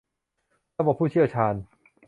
ระบบผู้เชี่ยวชาญ